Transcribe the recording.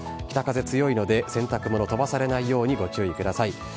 北風強いので、洗濯物、飛ばされないように、ご注意ください。